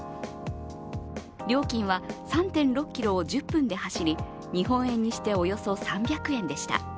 料金は３．６ｋｍを１０分で走り、日本円にしておよそ３００円でした。